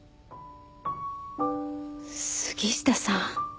杉下さん。